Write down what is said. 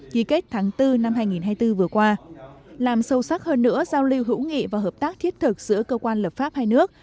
ký kết tháng bốn năm hai nghìn hai mươi bốn vừa qua làm sâu sắc hơn nữa giao lưu hữu nghị và hợp tác thiết thực giữa cơ quan lập pháp hai nước